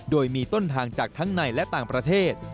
โดยมีต้นทางจากทั้งในและต่างประเทศ